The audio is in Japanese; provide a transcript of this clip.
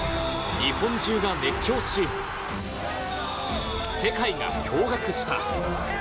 日本中が熱狂し、世界が驚がくした。